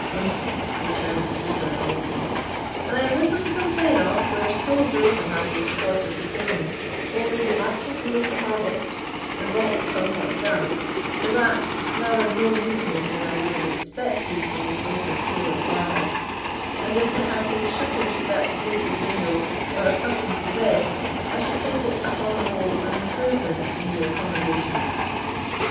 "Umph!" returned the sleeper awakened; "I have little to complain of where so great a man was quartered before me, only the mattress was of the hardest, the vault somewhat damp, the rats rather more mutinous than I would have expected from the state of Caleb's larder; and if there had been shutters to that grated window, or a curtain to the bed, I should think it, upon the whole, an improvement in your accommodations."